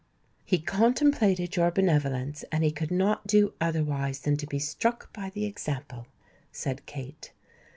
"He contemplated your benevolence, and he could not do otherwise than be struck by the example," said Kate.